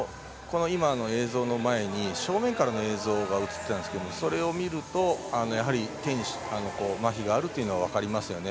正面からの映像が映っていたんですけどそれを見ると、やはり手にまひがあるというのが分かりますね。